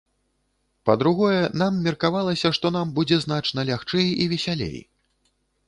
Па-другое, нам меркавалася, што нам будзе значна лягчэй і весялей.